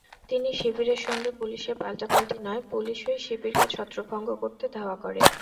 তবে শিবিরের সঙ্গে পুলিশের পাল্টাপাল্টি নয়, পুলিশই শিবিরকে ছত্রভঙ্গ করতে ধাওয়া করে।